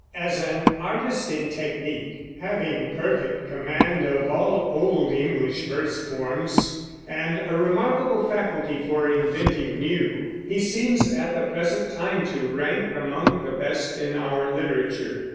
As an artist in technique having perfect command of all old English verse forms and a remarkable faculty for inventing new he seems at the present time to rank among the best in our literature.